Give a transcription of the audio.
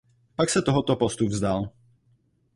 Pak se tohoto postu vzdal.